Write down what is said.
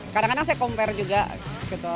kadang kadang saya compare juga gitu